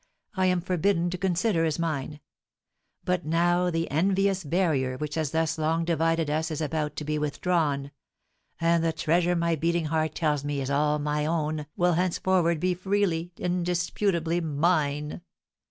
I am forbidden to consider as mine; but now the envious barrier which has thus long divided us is about to be withdrawn, and the treasure my beating heart tells me is all my own will henceforward be freely, indisputably mine!